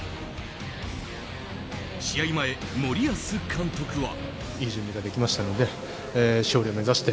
試合前、森保監督は。